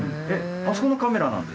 あそこのカメラなんですか？